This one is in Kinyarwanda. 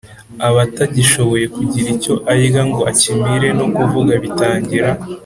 aba atagishoboye kugira icyo arya ngo akimire no kuvuga bitangira